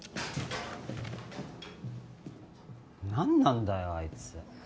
何なんだよあいつ。